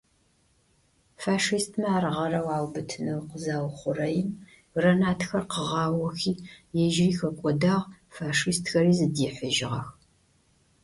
Фашистмэ ар гъэрэу аубытынэу къызаухъурэим, гранатхэр къыгъаохи ежьыри хэкӏодагъ, фашистхэри зыдихьыжьыгъэх.